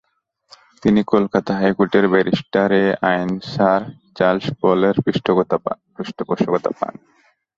তিনি কলকাতা হাইকোর্টের ব্যারিস্টার-এ-আইন, স্যার চার্লস পলের পৃষ্ঠপোষকতা পান।